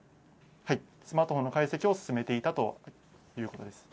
スマートフォンの解析を進めていたということです。